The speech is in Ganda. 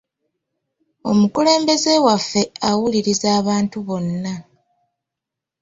Omukulembeze waffe awuliriza abantu bonna.